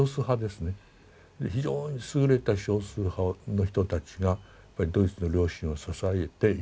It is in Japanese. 非常に優れた少数派の人たちがドイツの良心を支えていた。